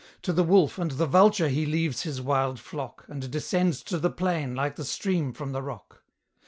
To the wolf and the vulture he leaves his wild flock, And descends to the plain like the stream from the rock.